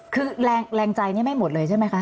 คือแรงใจนี่ไม่หมดเลยใช่ไหมคะ